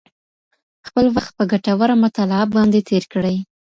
خپل وخت په ګټوره مطالعه باندې تېر کړئ.